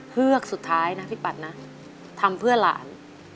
เฮือกสุดท้ายนะพี่ปัดนะทำเพื่อหลาน